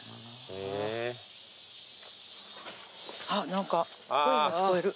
何か声が聞こえる。